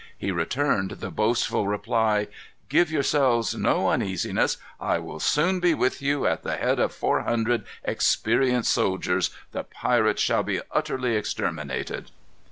He returned the boastful reply: "Give yourselves no uneasiness. I will soon be with you, at the head of four hundred experienced soldiers. The pirates shall be utterly exterminated."